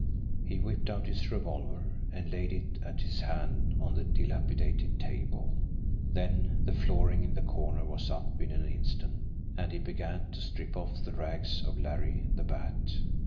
He whipped out his revolver and laid it at his hand on the dilapidated table; then the flooring in the corner was up in an instant, and he began to strip off the rags of Larry the Bat.